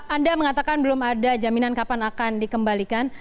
anda mengatakan belum ada jaminan kapan akan dikembalikan